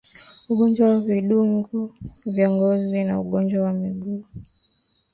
ugonjwa wa vinundu vya ngozi na ugonjwa wa miguu